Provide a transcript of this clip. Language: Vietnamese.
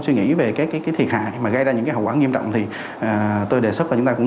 biết về các cái thiệt hại mà gây ra những cái hậu quả nghiêm trọng thì tôi đề xuất là chúng ta cũng